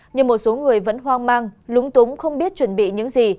nhưng một số người vẫn hoang mang lúng túng không biết chuẩn bị những gì